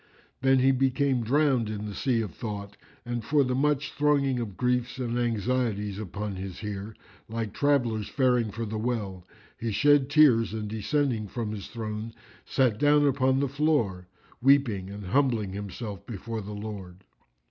Then he became drowned in the sea of thought and for the much thronging of griefs and anxieties upon his heart, like travellers faring for the well, he shed tears and descending from his throne, sat down upon the floor,[FN#356] weeping and humbling himself before the Lord.